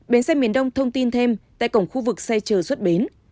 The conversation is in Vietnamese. biến xe miền đông thông tin thêm tại cổng khu vực xe chở xuất biến